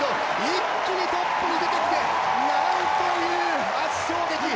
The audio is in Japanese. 一気にトップに出てきて、なんという圧勝。